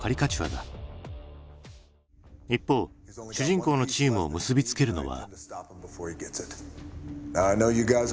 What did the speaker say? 一方主人公のチームを結び付けるのは。